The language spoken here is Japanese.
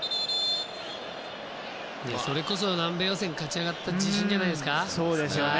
それこそ南米予選勝ち上がった自信じゃないですか。